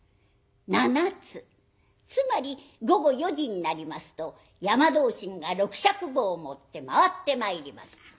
七つつまり午後４時になりますと山同心が六尺棒を持って回ってまいります。